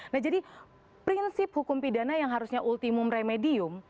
nah jadi prinsip hukum pidana yang harusnya ultimum remedium